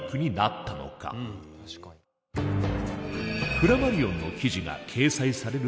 フラマリオンの記事が掲載される